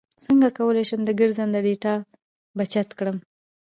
څنګه کولی شم د ګرځنده ډاټا بچت کړم